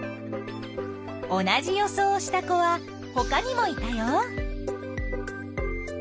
同じ予想をした子はほかにもいたよ。